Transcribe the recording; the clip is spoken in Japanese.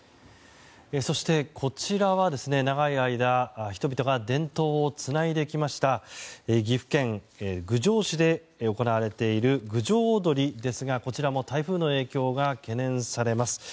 そしてこちらは長い間、人々が伝統をつないできました岐阜県郡上市で行われている郡上おどりですがこちらも台風の影響が懸念されます。